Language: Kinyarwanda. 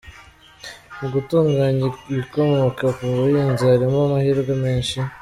Mu gutunganya ibikomoka ku buhinzi harimo amahirwe menshi.